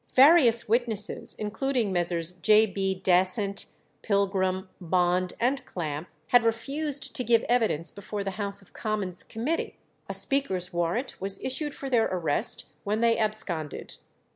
Various witnesses, including Messrs. J. B. Dasent, Pilgrim, Bond, and Clamp, had refused to give evidence before the House of Commons' Committee; a Speaker's warrant was issued for their arrest when they absconded.